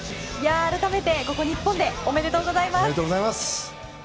改めて、ここ日本でおめでとうございます！